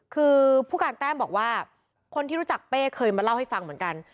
คือผู้การแต้มบอกว่าคนที่รู้จักเป้เคยมาเล่าให้ฟังเหมือนกัน